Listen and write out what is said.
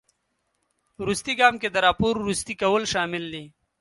وروستي ګام کې د راپور وروستي کول شامل دي.